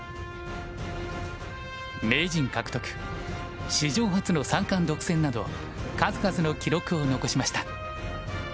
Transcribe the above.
名人獲得史上初の三冠独占など数々の記録を残しました。